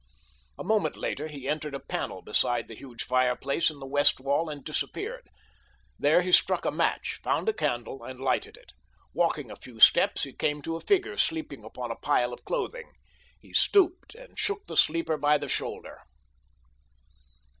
A moment later he entered a panel beside the huge fireplace in the west wall and disappeared. There he struck a match, found a candle and lighted it. Walking a few steps he came to a figure sleeping upon a pile of clothing. He stooped and shook the sleeper by the shoulder.